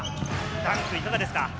ダンクいかがですか？